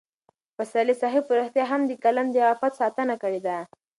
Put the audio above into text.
پسرلي صاحب په رښتیا هم د قلم د عفت ساتنه کړې ده.